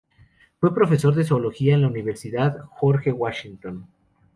Fue profesor de zoología en la Universidad George Washington.